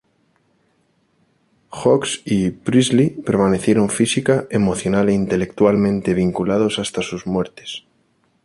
Hawkes y Priestley permanecieron física, emocional e intelectualmente vinculados hasta sus muertes.